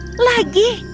aku dapat melihat lagi